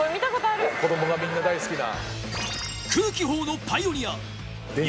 子供がみんな大好きな。